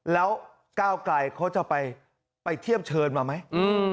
แล้วก้าวไกลเขาจะไปเทียบเชิญมาไหม